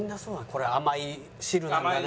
これ甘い汁なんだね。